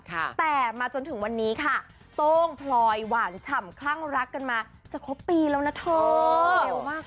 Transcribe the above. แต่มาจนถึงวันนี้ค่ะโต้งพลอยหวานฉ่ำคลั่งรักกันมาจะครบปีแล้วนะเธอเร็วมาก